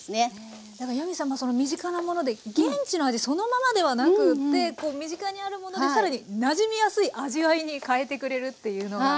なんかヤミーさんのその身近なもので現地の味そのままではなくってこう身近にあるもので更になじみやすい味わいに変えてくれるっていうのが。